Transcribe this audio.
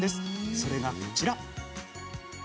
それがこちら。